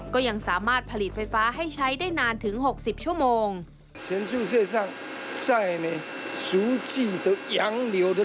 ก็ยังสามารถผลิตไฟฟ้าให้ใช้ได้นานถึง๖๐ชั่วโมง